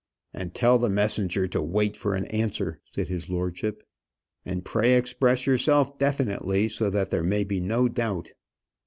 "And tell the messenger to wait for an answer," said his lordship; "and pray express yourself definitely, so that there may be no doubt."